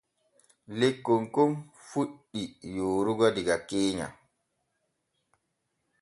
Lekkon kon fuɗɗi yoorugo diga keenya.